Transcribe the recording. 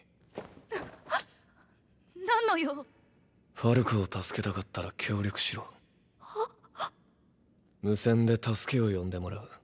な⁉何の用⁉ファルコを助けたかったら協力しろ。は⁉無線で助けを呼んでもらう。